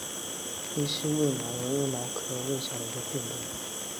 稀序卫矛为卫矛科卫矛属下的一个种。